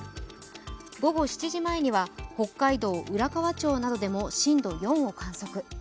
午後７時前には北海道浦河町などでも震度４を観測。